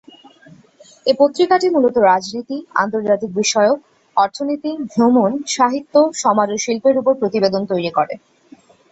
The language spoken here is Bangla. এ পত্রিকাটি মূলত রাজনীতি, আন্তর্জাতিক বিষয়ক, অর্থনীতি, ভ্রমণ, সাহিত্য, সমাজ ও শিল্পের উপর প্রতিবেদন তৈরি করে।